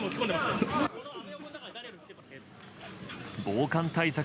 防寒対策